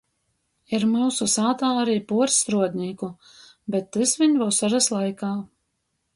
Ir myusu sātā ari puors struodnīku, bet tys viņ vosorys laikā.